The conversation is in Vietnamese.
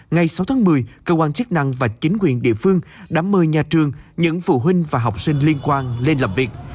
ngày sáu tháng một mươi cơ quan chức năng và chính quyền địa phương đã mời nhà trường những phụ huynh và học sinh liên quan lên làm việc